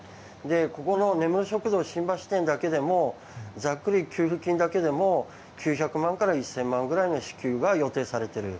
ここの根室食堂新橋店だけでもざっくり給付金だけでも９００万から１０００万ぐらいの支給が予定されている。